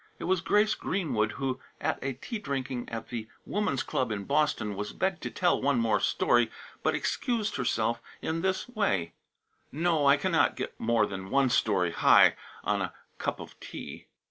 It was Grace Greenwood who, at a tea drinking at the Woman's Club in Boston, was begged to tell one more story, but excused herself in this way: "No, I cannot get more than one story high on a cup of tea!"